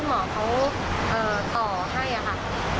แล้วก็จะขาข้างซ้ายที่คุณหมอเขาต่อให้ค่ะ